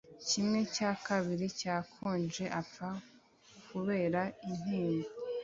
kimwe cya kabiri cyakonje apfa kubera intimba